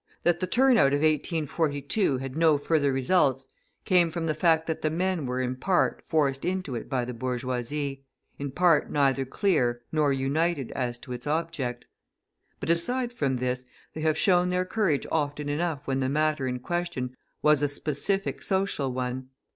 That the turnout of 1842 had no further results came from the fact that the men were in part forced into it by the bourgeoisie, in part neither clear nor united as to its object. But aside from this, they have shown their courage often enough when the matter in question was a specific social one.